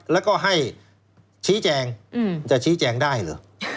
แล้วก็ให้ชี้แจงจะชี้แจงได้เหรอ